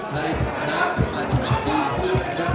ในฐานะสมัยชาติศาสตราภูมิกันต่อ